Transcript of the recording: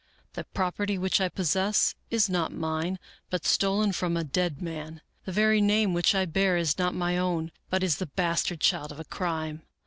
The property which I possess is not mine, but stolen from a dead man. The very name which I bear is not my own, but is the bastard child of a crime.